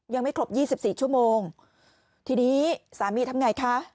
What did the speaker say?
ยังไม่ครบ๒๔ชั่วโมงทีนี้สามีทำอย่างไรคะ